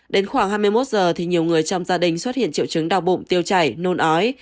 đến khoảng hai mươi một giờ thì nhiều người trong gia đình xuất hiện triệu chứng đau bụng tiêu chảy nôn ói